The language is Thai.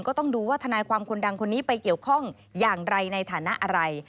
ก็ต้องดูว่าทนายความคนดังคนนี้ไปเกี่ยวข้องอย่างไรในฐานะอะไร